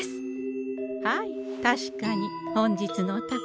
はい確かに本日のお宝